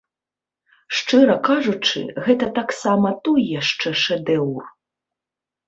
Шчыра кажучы, гэта таксама той яшчэ шэдэўр.